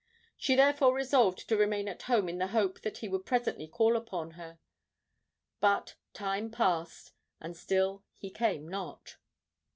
She therefore resolved to remain at home in the hope that he would presently call upon her; but time passed—and still he came not.